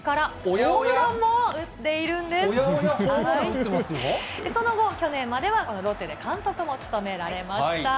ホームラン打ってその後、去年まではロッテで監督も務められました。